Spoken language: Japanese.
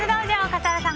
笠原さん